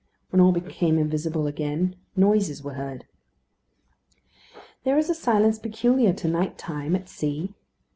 When all became invisible again, noises were heard. There is a silence peculiar to night time at sea.